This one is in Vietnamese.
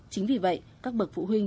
chính vì vậy các bậc phụ huynh